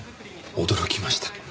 驚きました。